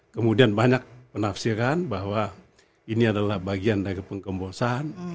kemudian banyak penafsiran bahwa ini adalah bagian dari penggembosan